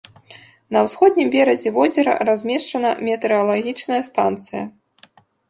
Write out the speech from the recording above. На ўсходнім беразе возера размешчана метэаралагічная станцыя.